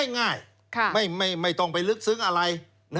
ง่ายไม่ต้องไปลึกซึ้งอะไร